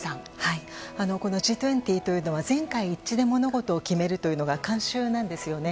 このＧ２０というのは全会一致で物事を決めるというのが慣習なんですよね。